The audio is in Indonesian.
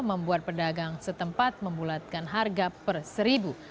membuat pedagang setempat membulatkan harga per seribu